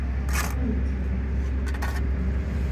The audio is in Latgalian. Policejā.